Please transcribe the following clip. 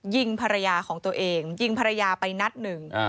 ยิงภรรยาของตัวเองยิงภรรยาไปนัดหนึ่ง